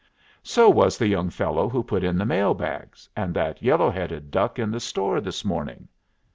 "So was the young fellow who put in the mail bags, and that yellow headed duck in the store this morning."